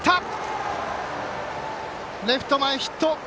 レフト前ヒット！